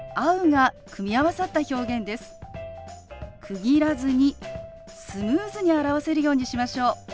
区切らずにスムーズに表せるようにしましょう。